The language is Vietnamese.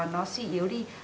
nó suy yếu đi